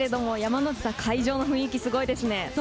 山之内さん、会場の雰囲気すごいですね。